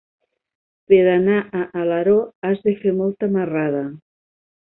Per anar a Alaró has de fer molta marrada.